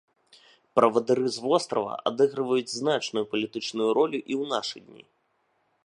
Правадыры з вострава адыгрываюць значную палітычную ролю і ў нашы дні.